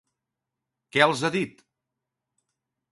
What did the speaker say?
Què els ha dit?